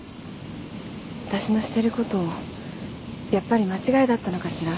わたしのしてることやっぱり間違いだったのかしら？